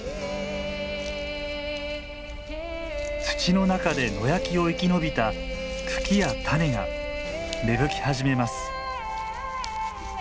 土の中で野焼きを生き延びた茎や種が芽吹き始めます。